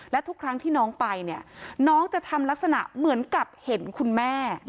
และทุกครั้งที่น้องไปเนี่ยน้องจะทำลักษณะเหมือนกับเห็นคุณแม่